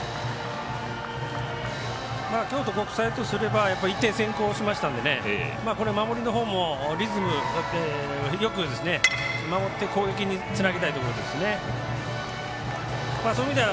京都国際とすれば１点先行しましたのでこれ、守りのほうもリズムよく守って、攻撃につなげていきたいところですね。